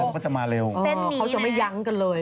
ก็จะมาเร็วเส้นนี้นะเขาจะไม่ย้ำกันเลย